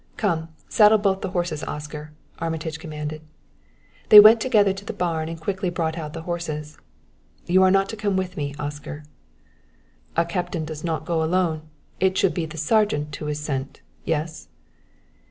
"Come; saddle both the horses, Oscar," Armitage commanded. They went together to the barn and quickly brought out the horses. "You are not to come with me, Oscar." "A captain does not go alone; it should be the sergeant who is sent yes?"